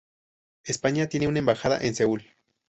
España tiene una embajada en Seúl.